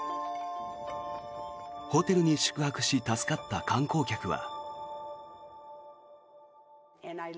ホテルに宿泊し、助かった観光客は。